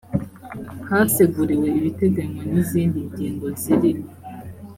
haseguriwe ibiteganywa n izindi ngingo z iri